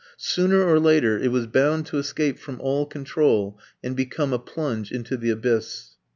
Sooner or later it was bound to escape from all control and become a plunge into the abyss.